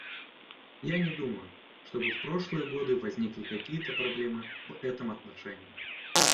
Я не думаю, чтобы в прошлые годы возникали какие-то проблемы в этом отношении.